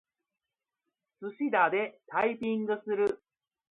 すしだでタイピングする。